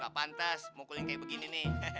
gak pantas mukulin kayak begini nih